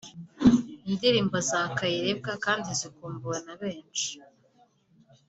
Indirimbo za Kayirebwa kandi zikumbuwe na benshi